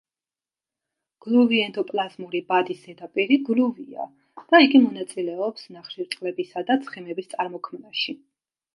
გლუვი ენდოპლაზმური ბადის ზედაპირი გლუვია და იგი მონაწილეობს ნახშირწყლებისა და ცხიმების წარმოქმნაში.